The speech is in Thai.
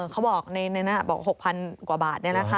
เขาบอก๖๐๐๐กว่าบาท